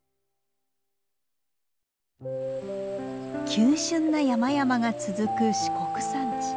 急しゅんな山々が続く四国山地。